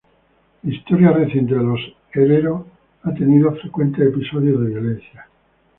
La historia reciente de los herero ha tenido frecuentes episodios de violencia.